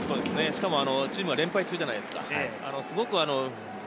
チームは連敗中じゃないですか。